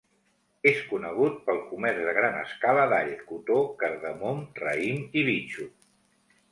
És conegut pel comerç a gran escala d'all, cotó, cardamom, raïm i bitxo.